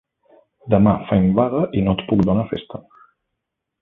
Demà fem vaga i no et puc donar festa.